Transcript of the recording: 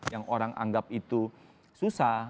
yang orang anggap itu susah